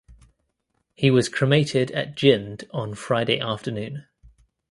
He was cremated at Jind on Friday afternoon.